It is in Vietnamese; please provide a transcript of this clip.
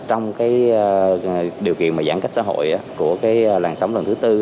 trong cái điều kiện giãn cách xã hội của cái làng sống lần thứ tư